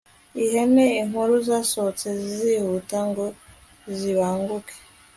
ihene nkuru zasohotse zihuta ngo zibanguke